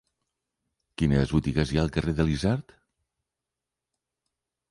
Quines botigues hi ha al carrer de l'Isard?